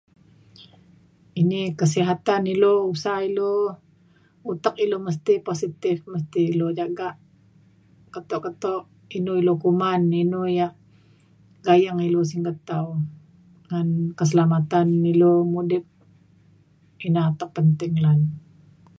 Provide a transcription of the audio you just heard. ini kesihatan ilu usa ilu utek ilu mesti positif mesti ilu jagak keto keto inu ilu kuman inu ia' gayeng ilu singget tau ngan keselamatan ilu mudip ina atek penting lan